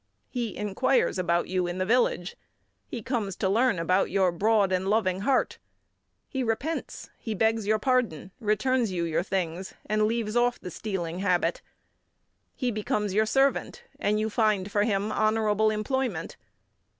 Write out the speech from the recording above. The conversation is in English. He inquires about you in the village, he comes to learn about your broad and loving heart, he repents, he begs your pardon, returns you your things, and leaves off the stealing habit. He becomes your servant, and you find for him honourable employment.